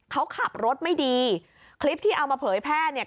เขาขับรถไม่ดีคลิปที่เอามาเผยแพร่เนี่ย